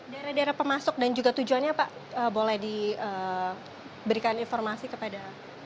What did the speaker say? daerah daerah pemasok dan juga tujuannya pak boleh diberikan informasi kepada